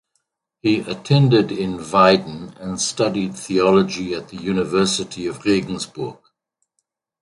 He attended in Weiden and studied theology at the University of Regensburg.